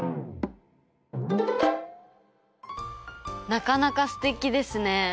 なかなかすてきですね。